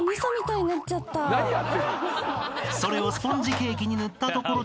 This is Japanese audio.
［それをスポンジケーキに塗ったところで］